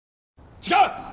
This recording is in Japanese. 違う！